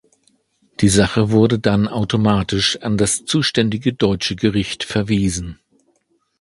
Die Sache wurde dann automatisch an das zuständige deutsche Gericht verwiesen.